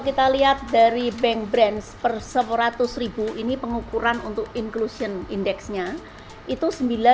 kita lihat dari bank branch per seratus ini pengukuran untuk inclusion index nya itu sembilan lima puluh sembilan